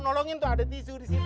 nolongin ada tisu disitu